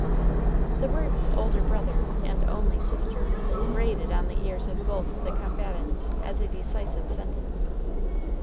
The words "older brother" and "only sister" grated on the ears of both the combatants as a decisive sentence.